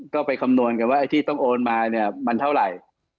ก็ไปคำนวณกันว่าที่ต้องโอนมามันเท่าไหร่